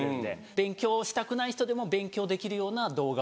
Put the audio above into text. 勉強したくない人でも勉強できるような動画を。